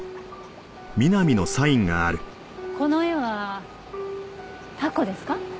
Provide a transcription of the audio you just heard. この絵はタコですか？